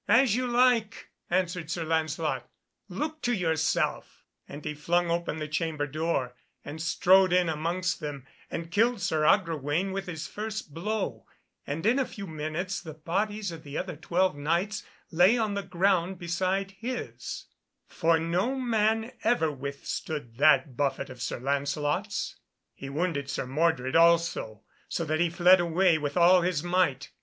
"As you like," answered Sir Lancelot, "look to yourself," and he flung open the chamber door, and strode in amongst them and killed Sir Agrawaine with his first blow, and in a few minutes the bodies of the other twelve Knights lay on the ground beside his, for no man ever withstood that buffet of Sir Lancelot's. He wounded Sir Mordred also, so that he fled away with all his might.